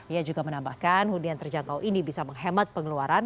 ia juga menambahkan hunian terjangkau ini bisa menghemat pengeluaran